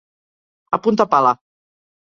A punta pala.